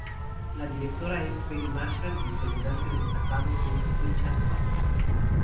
La directora es Penny Marshall, y su ayudante destacado es Richard Patrick.